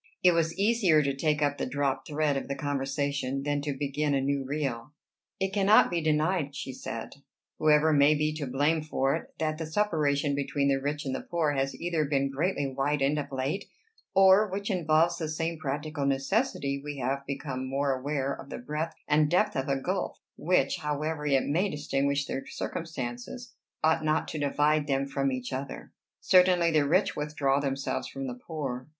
It was easier to take up the dropped thread of the conversation than to begin a new reel. "It cannot be denied," she said, "whoever may be to blame for it, that the separation between the rich and the poor has either been greatly widened of late, or, which involves the same practical necessity, we have become more aware of the breadth and depth of a gulf which, however it may distinguish their circumstances, ought not to divide them from each other. Certainly the rich withdraw themselves from the poor.